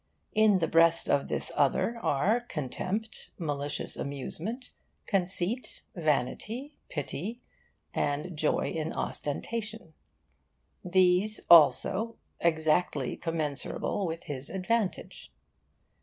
In the breast of this other are contempt, malicious amusement, conceit, vanity, pity, and joy in ostentation; these, also, exactly commensurable with his advantage.